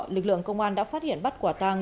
lực lượng công an đã phát hiện bắt quả tang